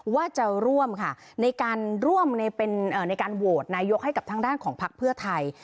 ว่าจะร่วมค่ะในการร่วมในการโหวตนายกให้กับทางด้านของพักเพื่อไทย